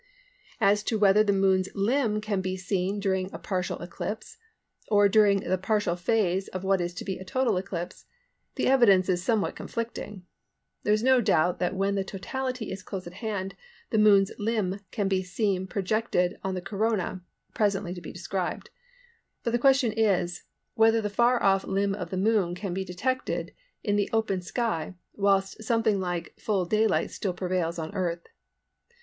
As to whether the Moon's limb can be seen during a partial eclipse, or during the partial phase of what is to be a total eclipse, the evidence is somewhat conflicting. There is no doubt that when the totality is close at hand the Moon's limb can be seen projected on the Corona (presently to be described); but the question is, whether the far off limb of the Moon can be detected in the open sky whilst something like full daylight still prevails on the Earth.